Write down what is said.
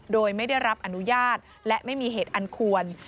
โดยไม่ได้รับอนุญาตและไม่มีเหตุอันควร